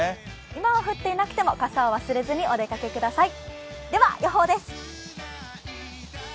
今は降っていなくても傘は忘れずにお出かけください。